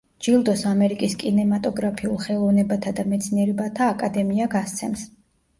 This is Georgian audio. ჯილდოს ამერიკის კინემატოგრაფიულ ხელოვნებათა და მეცნიერებათა აკადემია გასცემს.